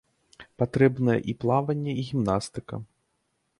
Патрэбныя і плаванне, і гімнастыка.